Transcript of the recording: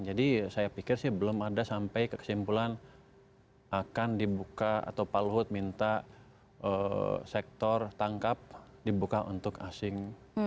jadi saya pikir belum ada sampai kesimpulan akan dibuka atau pak luhut minta sektor tangkap dibuka untuk asing